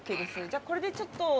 じゃあこれでちょっと。